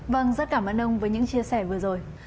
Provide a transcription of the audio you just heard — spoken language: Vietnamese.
vâng rất cảm ơn ông với những chia sẻ vừa rồi